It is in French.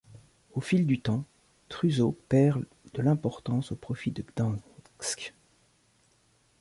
Au fil du temps Truso perd de l'importance au profit de Gdańsk.